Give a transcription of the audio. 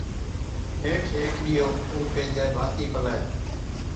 نيٺ هيڪ ڏِيئو اُون بيدَي ڀاتِي پلَي